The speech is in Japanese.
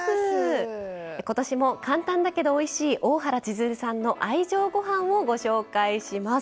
今年も簡単だけどおいしい大原千鶴さんの愛情ごはんをご紹介します。